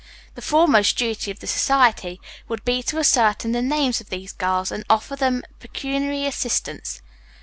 The foremost duty of the society would be to ascertain the names of these girls and offer them pecuniary assistance.